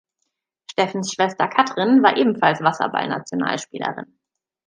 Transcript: Steffens Schwester Katrin war ebenfalls Wasserball-Nationalspielerin.